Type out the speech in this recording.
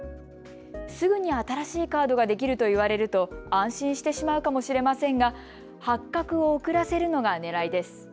すぐに新しいカードができると言われると安心してしまうかもしれませんが発覚を遅らせるのがねらいです。